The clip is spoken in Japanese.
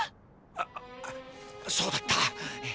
あっそうだった。